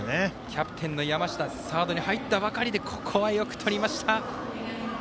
キャプテンの山下サードに入ったばかりでここはよくとりました。